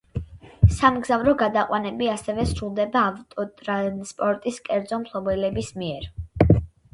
სამგზავრო გადაყვანები ასევე სრულდება ავტოტრანსპორტის კერძო მფლობელების მიერ.